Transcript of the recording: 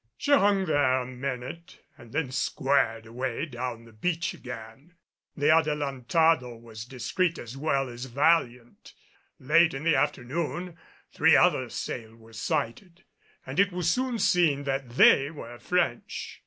She hung there a minute and then squared away down the beach again. The Adelantado was discreet as well as valiant. Late in the afternoon three other sail were sighted, and it was soon seen that they were French.